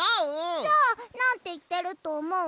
じゃあなんていってるとおもう？